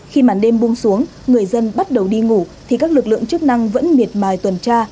khi màn đêm buông xuống người dân bắt đầu đi ngủ thì các lực lượng chức năng vẫn miệt mài tuần tra